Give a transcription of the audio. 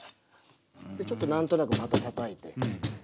ちょっと何となくまたたたいて。